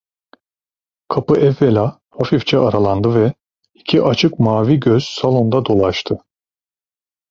Kapı evvela hafifçe aralandı ve iki açık mavi göz salonda dolaştı.